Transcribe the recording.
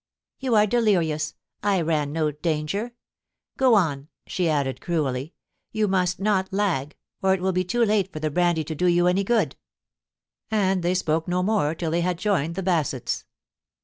' You are delirious. I ran no danger. Go on,' she added cruelly. * You must ' not lag, or it will be too late for the brandy to do you any good' IN THE SCRUB. 203 And they spoke no more till they had joined the Bassetts.